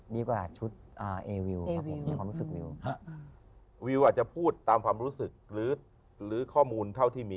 ดีกว่าชุดเอ๊วิว